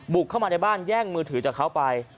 เข้ามาในบ้านแย่งมือถือจากเขาไป